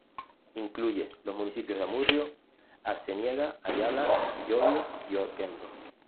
Incluye los municipios de Amurrio, Arceniega, Ayala, Llodio y Oquendo.